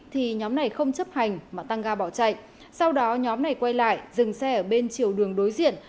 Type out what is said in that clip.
thì nhóm này không chấp hành mà tăng ga bỏ chạy sau đó nhóm này quay lại dừng xe ở bên chiều đường đối diện